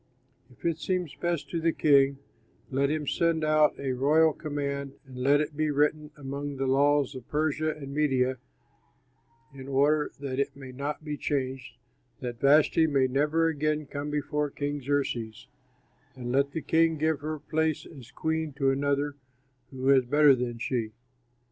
If it seems best to the king, let him send out a royal command, and let it be written among the laws of Persia and Media, in order that it may not be changed, that Vashti may never again come before King Xerxes; and let the king give her place as queen to another who is better than she.